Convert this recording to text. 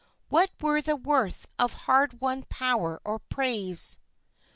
What were the worth of hard won power or praise?